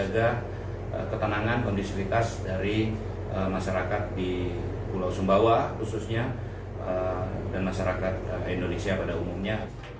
menjaga ketenangan kondisivitas dari masyarakat di pulau sumbawa khususnya dan masyarakat indonesia pada umumnya